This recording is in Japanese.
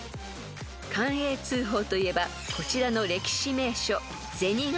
［寛永通宝といえばこちらの歴史名所］